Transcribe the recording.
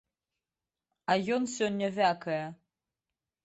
А ён сёння вякае.